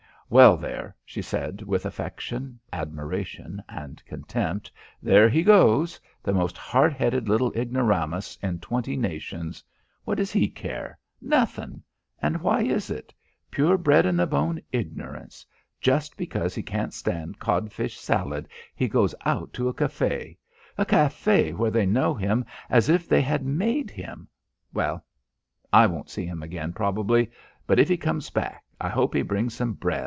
"Well, there," she said with affection, admiration and contempt. "There he goes! The most hard headed little ignoramus in twenty nations! What does he care? Nothin'! And why is it? Pure bred in the bone ignorance. Just because he can't stand codfish salad he goes out to a café! A café where they know him as if they had made him!... Well.... I won't see him again, probably.... But if he comes back, I hope he brings some bread.